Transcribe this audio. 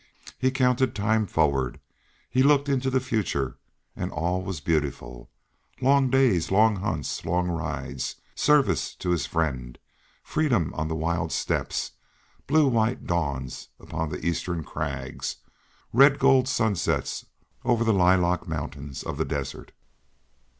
He counted time forward, he looked into the future, and all was beautiful long days, long hunts, long rides, service to his friend, freedom on the wild steppes, blue white dawns upon the eastern crags, red gold sunsets over the lilac mountains of the desert.